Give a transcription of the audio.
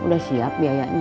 udah siap biayanya